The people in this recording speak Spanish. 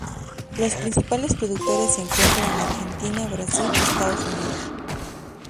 Los principales productores se encuentran en Argentina, Brasil y Estados Unidos.